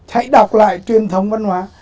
hãy đọc lại truyền thống văn hóa